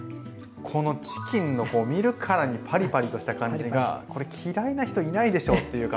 このチキンの見るからにパリパリとした感じがこれ嫌いな人いないでしょうっていう感じですよね。